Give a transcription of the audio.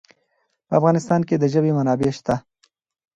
په افغانستان کې د ژبې منابع شته.